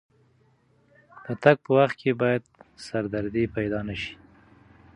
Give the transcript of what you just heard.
د تګ په وخت کې باید سردردي پیدا نه شي.